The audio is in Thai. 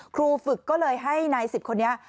ฆู้ฝึกก็เลยให้นายสิบคนนี้